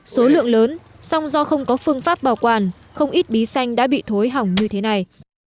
số lượng lớn song do không có phương pháp bảo quản không ít bí xanh đã bị thối hỏng như thế này